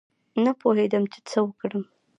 نه پوهېدم چې څه وکړم.